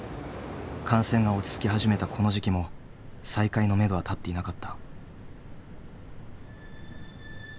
感染が落ち着き始めたこの時期も再開のめどは立っていなかった。